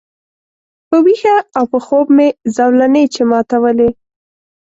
په ویښه او په خوب مي زولنې چي ماتولې